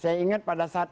saya ingat pada saat